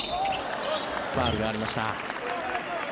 ファウルがありました。